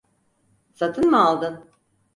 Satın mı aldın?